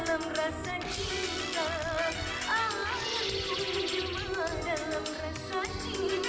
ewa enggak gak bala